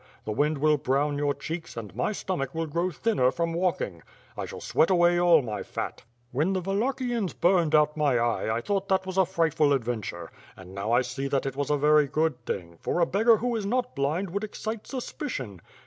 The wind will brown your cheeks and my stomach will grow thinner from walking. I shall sweat away all my fat. When theWallachians burned out my eye I thought that was a frightful adventure, and now I see that it was a very good thing; for a beggar who is not blind would excite suspicion.